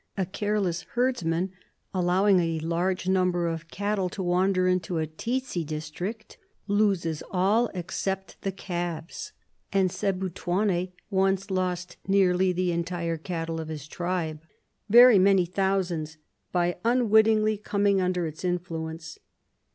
A careless herdsman allowing a large number of cattle to wander into a tsetse district loses all except the calves ; and Sebutuane once lost nearly the entire cattle of his tribe— very many thousands— by unwittingly coming under its influence.